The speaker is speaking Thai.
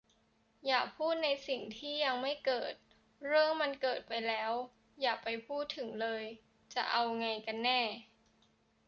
"อย่าพูดในสิ่งที่ยังไม่เกิด" "เรื่องมันเกิดไปแล้ว อย่าไปพูดถึงเลย" จะเอาไงกันแน่ ?